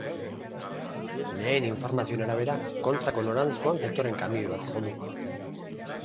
Lehen informazioen arabera, kontrako noranzkoan zetorren kamioi bat jo du.